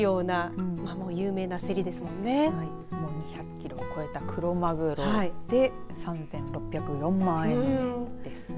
２００キロを超えたクロマグロで３６０４万円ですね。